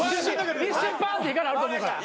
一瞬パーンって光あると思うから。